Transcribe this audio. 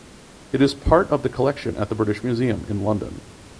It is part of the collection at the British Museum in London.